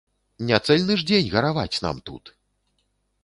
Не цэльны ж дзень гараваць нам тут!